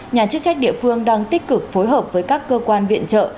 nhà chức trách địa phương đang tích cực phối hợp với các cơ quan viện trợ